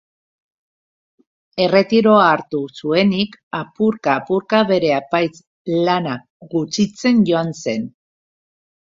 Erretiroa hartu zuenetik, apurka-apurka bere apaiz lanak gutxitzen joan zen.